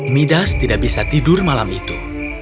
midas tidak bisa tidur malam itu